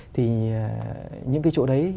thì những cái chỗ đấy